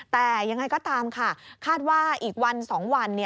แต่ยังไงก็ตามค่ะคาดว่าอีกวัน๒วัน